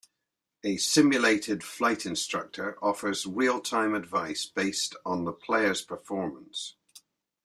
A simulated flight instructor offers real-time advice based on the player's performance.